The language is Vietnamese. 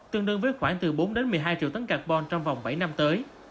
tương đương với khoảng từ bốn một mươi hai triệu tấn carbon trong vòng bảy năm tới